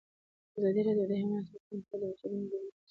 ازادي راډیو د حیوان ساتنه په اړه د مسؤلینو نظرونه اخیستي.